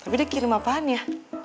tapi dia kirim apaan ya